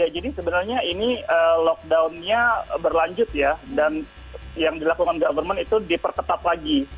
jadi sebenarnya ini lockdownnya berlanjut dan yang dilakukan government itu diperketat lagi